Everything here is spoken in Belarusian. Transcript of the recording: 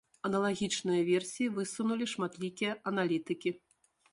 Аналагічныя версіі высунулі шматлікія аналітыкі.